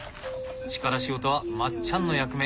力仕事はまっちゃんの役目。